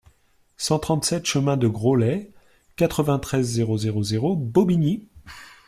cent trente-sept chemin de Groslay, quatre-vingt-treize, zéro zéro zéro, Bobigny